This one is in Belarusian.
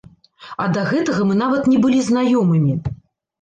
А да гэтага мы нават не былі знаёмымі.